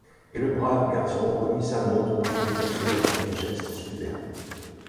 Et le brave garçon remit sa montre dans son gousset avec un geste superbe.